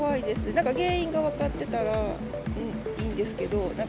なんか原因が分かってたらいいんですけど。